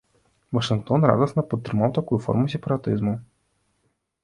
Вашынгтон радасна падтрымаў такую форму сепаратызму.